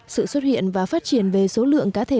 sự xuất hiện và phát triển về số lượng cá thể